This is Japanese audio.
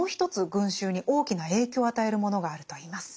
群衆に大きな影響を与えるものがあるといいます。